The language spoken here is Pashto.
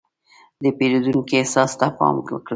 د پیرودونکي احساس ته پام وکړه.